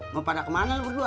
lo pada kemana lo berdua